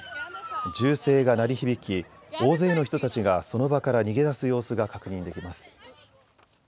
銃声が鳴り響き大勢の人たちがその場から逃げ出す様子が確認できます。